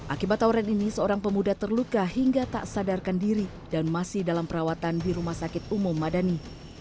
akibat tawuran ini seorang pemuda terluka hingga tak sadarkan diri dan masih dalam perawatan di rumah sakit umum madani